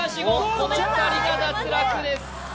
この２人が脱落です